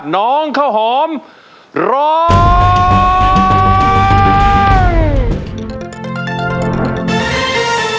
น้องข้าวหอมร้อง